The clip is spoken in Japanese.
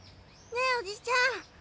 ねえおじちゃん